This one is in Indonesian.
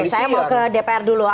saya mau ke dpr dulu